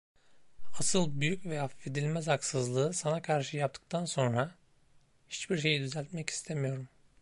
Asıl büyük ve affedilmez haksızlığı sana karşı yaptıktan sonra, hiçbir şeyi düzeltmek istemiyorum.